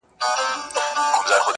زما په مینه ورور له ورور سره جنګیږي!.